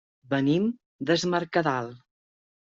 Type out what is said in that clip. Venim des Mercadal.